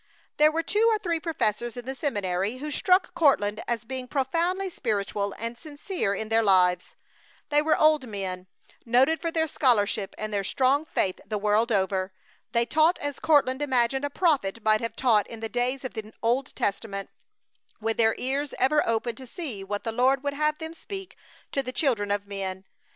There were two or three professors in the seminary who struck Courtland as being profoundly spiritual and sincere in their lives. They were old men, noted for their scholarship and their strong faith the world over. They taught as Courtland imagined a prophet might have taught in the days of the Old Testament, with their ears ever open to see what the Lord would have them speak to the children of men.